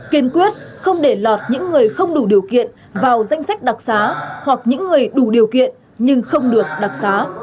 kiên quyết không để lọt những người không đủ điều kiện vào danh sách đặc xá hoặc những người đủ điều kiện nhưng không được đặc xá